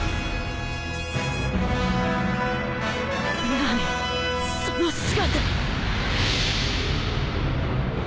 何その姿。